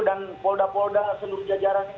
dan polda polda seluruh jajaran ini